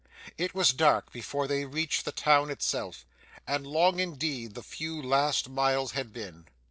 It was dark before they reached the town itself, and long indeed the few last miles had been.